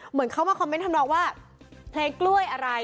เหมือนเขามาคอมเมนต์ทำนองว่าเพลงกล้วยอะไร